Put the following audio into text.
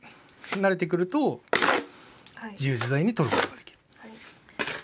慣れてくると自由自在に取ることができる。